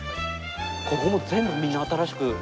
ここも全部みんな新しく。